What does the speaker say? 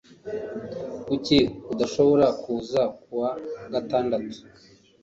Kuki udashobora kuza kuwa gatandatu